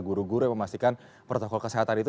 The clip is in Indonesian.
guru guru yang memastikan protokol kesehatan itu